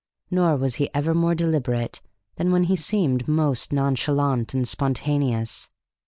Nor was he ever more deliberate than when he seemed most nonchalant and spontaneous.